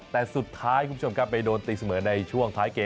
แต่สุดท้ายคุณผู้ชมครับไปโดนตีเสมอในช่วงท้ายเกม